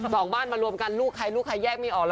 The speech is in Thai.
สองบ้านมารวมกันลูกใครลูกใครแยกไม่ออกห